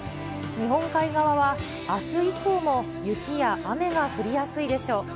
日本海側はあす以降も、雪や雨が降りやすいでしょう。